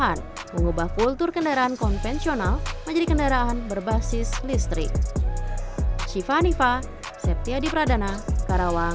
dan mengubah kultur kendaraan konvensional menjadi kendaraan berbasis listrik